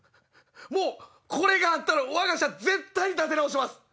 もうこれがあったらわが社絶対に立て直します！